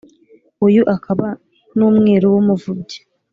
Uyu akaba n’Umwiru w’umuvubyi